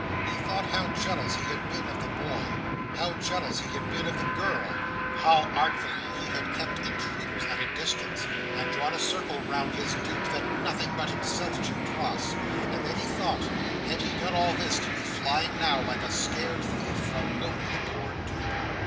He thought how jealous he had been of the boy, how jealous he had been of the girl, how artfully he had kept intruders at a distance, and drawn a circle round his dupe that none but himself should cross; and then he thought, had he done all this to be flying now, like a scared thief, from only the poor dupe?